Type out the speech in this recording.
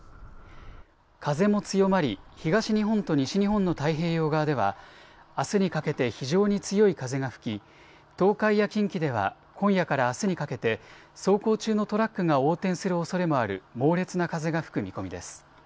風も強まり東日本と西日本の太平洋側ではあすにかけて非常に強い風が吹き東海や近畿では今夜からあすにかけて走行中のトラックが横転するおそれもある猛烈な風が吹く見込みです。